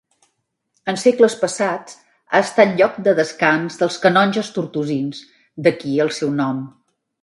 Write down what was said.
En segles passats ha estat lloc de descans dels canonges tortosins, d'aquí el seu nom.